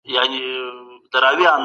اې! ښكلي